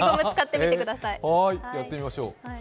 やってみましょう。